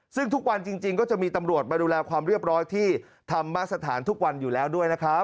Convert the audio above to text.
ซึ่งทุกวันจริงก็จะมีตำรวจมาดูแลความเรียบร้อยที่ธรรมสถานทุกวันอยู่แล้วด้วยนะครับ